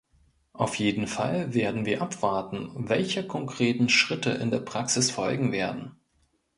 Auf jeden Fall werden wir abwarten, welche konkreten Schritte in der Praxis folgen werden.